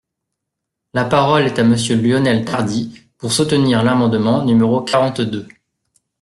La parole est à Monsieur Lionel Tardy, pour soutenir l’amendement numéro quarante-deux.